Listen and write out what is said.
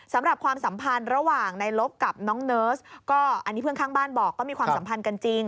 ความสัมพันธ์ระหว่างในลบกับน้องเนิร์สก็อันนี้เพื่อนข้างบ้านบอกก็มีความสัมพันธ์กันจริง